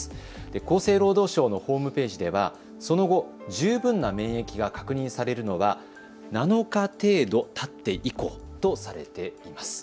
厚生労働省のホームページではその後、十分な免疫が確認されるのは７日程度たって以降とされています。